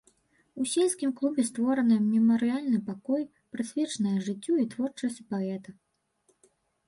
У сельскім клубе створана мемарыяльны пакой, прысвечаная жыццю і творчасці паэта.